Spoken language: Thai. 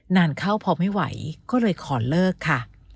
นานเข้าพอไม่ไหวก็เลยขอเลิกค่ะ